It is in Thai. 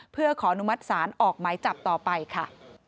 เพื่อขออนุมัติศาลออกหมายจับต่อไปค่ะ